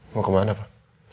mau kemana pak